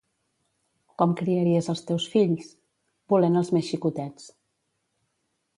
—Com criaries els teus fills? —Volent els més xicotets.